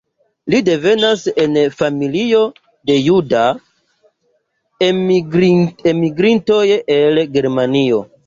Li devenas el familio de juda enmigrintoj el Germanio.